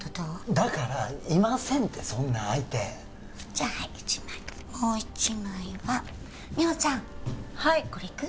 だからいませんってそんな相手じゃあはい１枚もう１枚は美穂ちゃんはいこれ行く？